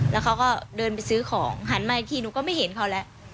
แล้วเขาก็เดินไปซื้อของหันมาอีกทีหนูก็ไม่เห็นเขาแล้ว